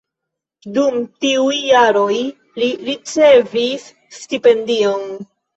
Dum tiuj jaroj li ricevis stipendion.